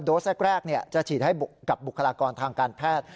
สแรกจะฉีดให้กับบุคลากรทางการแพทย์